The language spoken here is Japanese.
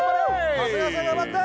長谷川さん頑張って！